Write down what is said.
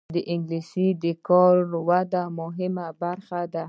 انګلیسي د کاري ودې مهمه برخه ده